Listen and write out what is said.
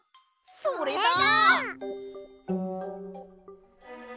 それだ！